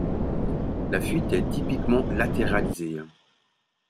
La fuite est typiquement latéralisée.